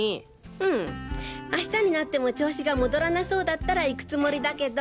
うん明日になっても調子が戻らなそうだったら行くつもりだけど。